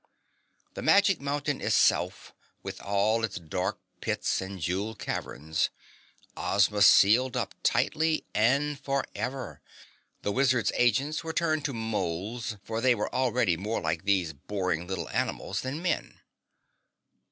The Magic Mountain itself, with all its dark pits and jeweled caverns, Ozma sealed up tightly and forever. The wizard's agents were turned to moles, for they were already more like these boring little animals than men.